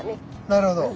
なるほど。